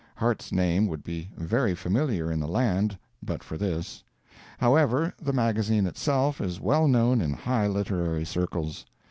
Harte's name would be very familiar in the land but for this. However, the magazine itself is well known in high literary circles.